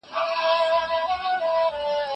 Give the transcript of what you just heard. زه اوږده وخت کتابتون ته ځم!؟